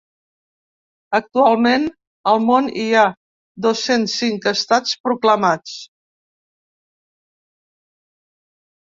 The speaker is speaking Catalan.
Actualment, al món hi ha dos-cents cinc estats proclamats.